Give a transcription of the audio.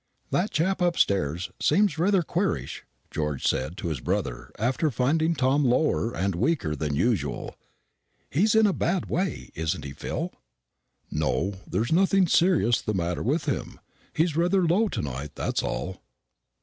"That chap upstairs seems rather queerish," George had said to his brother, after finding Tom lower and weaker than usual. "He's in a bad way, isn't he, Phil?" "No; there's nothing serious the matter with him. He's rather low to night, that's all."